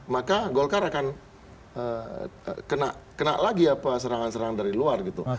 maka golkar akan kena lagi serangan serang dari luar gitu